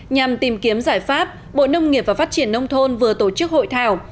nhằm tìm kiếm giải pháp bộ nông nghiệp và phát triển nông thôn vừa tổ chức hội thảo